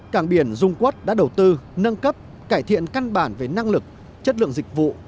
cảng biển dung quốc đã đầu tư nâng cấp cải thiện căn bản về năng lực chất lượng dịch vụ